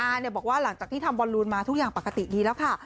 บอกว่าหลังจากที่ทำบอลลูนมาทุกอย่างปกติดีแล้วค่ะ